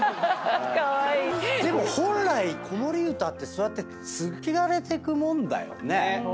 でも本来子守唄ってそうやって継がれてくもんだよね。